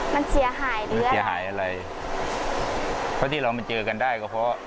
มันเสียหายดีหรือเสียหายอะไรเพราะที่เรามาเจอกันได้ก็เพราะ